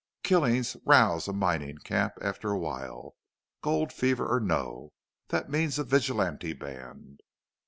Killings rouse a mining camp after a while gold fever or no. That means a vigilante band."